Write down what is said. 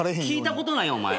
聞いたことない。